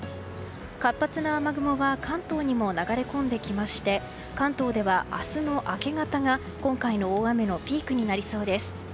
活発な雨雲は関東にも流れ込んできまして関東では明日の明け方が今回の大雨のピークになりそうです。